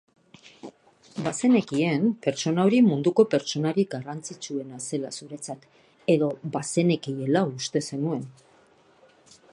Bazenekien pertsona hori munduko pertsonarik garrantzitsuena zela zuretzat edo bazenekiela uste zenuen.